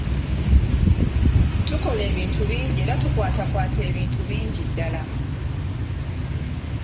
Tukola ebintu bingi era tukwatakwata ebintu bingi ddala.